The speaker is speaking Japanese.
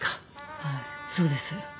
はいそうです。